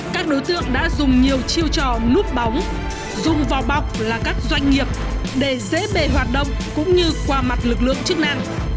các đối tượng đã dùng nhiều chiêu trò núp bóng dùng vào bọc là các doanh nghiệp để dễ bề hoạt động cũng như qua mặt lực lượng chức năng